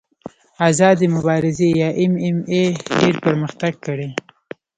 آزادې مبارزې یا ایم ایم اې ډېر پرمختګ کړی.